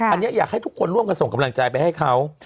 อันนี้อยากให้ทุกคนร่วมกันส่งกำลังใจไปให้เขา